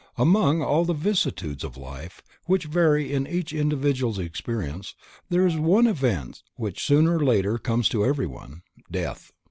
Among all the vicissitudes of life, which vary in each individual's experience, there is one event which sooner or later comes to everyone—Death!